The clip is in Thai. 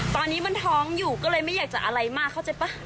ตอนนี้มันท้องอยู่ก็เลยไม่อยากจะอะไรมากเข้าใจป่ะ